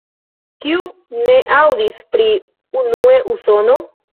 Kiu ne aŭdis pri "Unue Usono"?